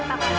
aku gak tahu